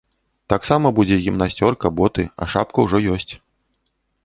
Таксама будзе гімнасцёрка, боты, а шапка ўжо ёсць.